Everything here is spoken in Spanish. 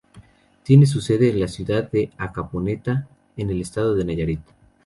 Tiene su sede en la ciudad de Acaponeta en el estado de Nayarit.